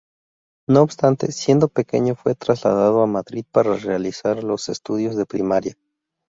No obstante, siendo pequeño fue trasladado a Madrid para realizar los estudios de primaria.